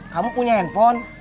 kamu punya handphone